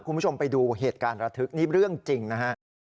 คุณผู้ชมไปดูเหตุการณ์ระทึกนี่เรื่องจริงนะฮะ